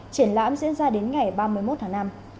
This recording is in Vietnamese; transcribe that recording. triển lãm diễn ra đến ngày ba mươi một tháng năm